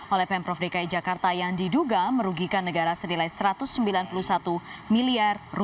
oleh pemprov dki jakarta yang diduga merugikan negara senilai rp satu ratus sembilan puluh satu miliar